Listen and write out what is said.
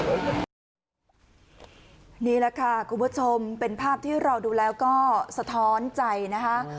นี่แหละค่ะคุณผู้ชมเป็นภาพที่เราดูแล้วก็สะท้อนใจนะคะ